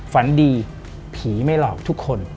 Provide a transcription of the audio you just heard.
ฝันดีผีไม่หลอกทุกคน